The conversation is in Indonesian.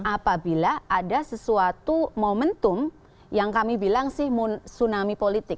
apabila ada sesuatu momentum yang kami bilang sih tsunami politik